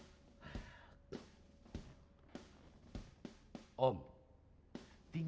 di teknik pembawa kristina kang lian tau dung